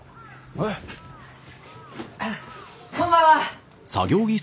あっこんばんは！